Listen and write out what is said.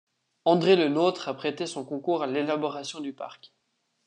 André Le Nôtre a prêté son concours à l’élaboration du parc.